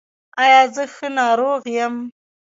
ایا زه ښه ناروغ یم؟